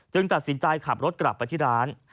ตัดสินใจขับรถกลับไปที่ร้าน